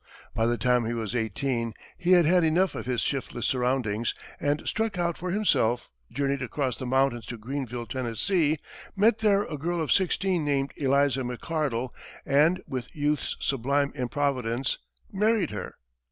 By the time he was eighteen, he had had enough of his shiftless surroundings, and struck out for himself, journeyed across the mountains to Greenville, Tennessee, met there a girl of sixteen named Eliza McCardle, and, with youth's sublime improvidence, married her!